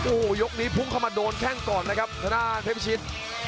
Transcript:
โอ้โหยกนี้พุ่งเข้ามาโดนแข้งก่อนนะครับทางด้านเพชรพิชิต